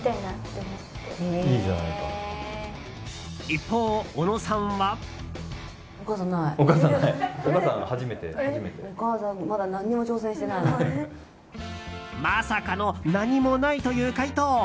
一方、尾野さんは。まさかの何もないという回答。